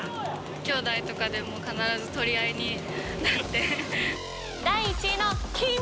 きょうだいとかでも必ず取り第１位の金は。